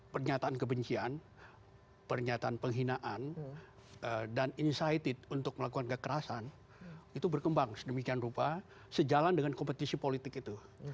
pernyataan kebencian pernyataan penghinaan dan insided untuk melakukan kekerasan itu berkembang sedemikian rupa sejalan dengan kompetisi politik itu